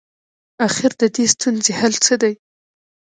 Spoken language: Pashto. اخر ددې ستونزي حل څه دی؟